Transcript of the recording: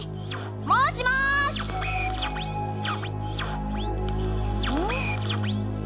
もしもし！え？